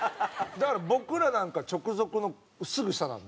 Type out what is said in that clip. だから僕らなんか直属のすぐ下なんで。